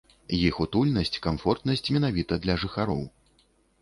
Іх утульнасць, камфортнасць менавіта для жыхароў.